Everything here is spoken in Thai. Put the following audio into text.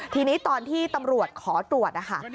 ทีนี้ตอนที่ตำรวจขอตรวจนะคะ